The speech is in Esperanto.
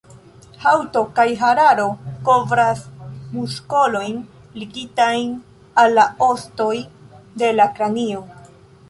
Haŭto kaj hararo kovras muskolojn ligitajn al la ostoj de la kranio.